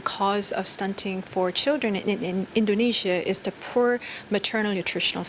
salah satu alasan yang penting untuk anak di indonesia adalah status nutrisi yang buruk